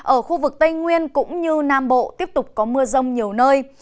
ở khu vực tây nguyên cũng như nam bộ tiếp tục có mưa rông nhiều nơi